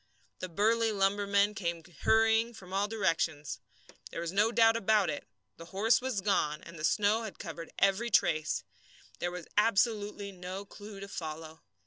The burly lumbermen came hurrying from all directions. There was no doubt about it the horse was gone, and the snow had covered every trace. There was absolutely no clue to follow.